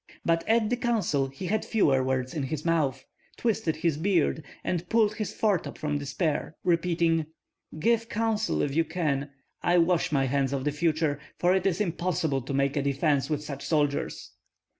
But at the council he had fewer words in his mouth, twisted his beard, and pulled his foretop from despair, repeating, "Give counsel if you can; I wash my hands of the future, for it is impossible to make a defence with such soldiers."